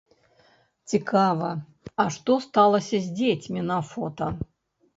Цікава, а што сталася з дзецьмі на фота?